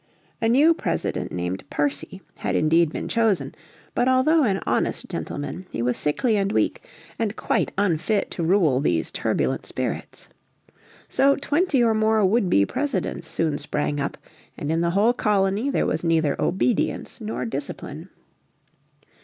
A new President named Percy had indeed been chosen. But although an honest gentleman he was sickly and weak, and quite unfit to rule these turbulent spirits. So twenty or more would be presidents soon sprang up, and in the whole colony there was neither obedience nor discipline.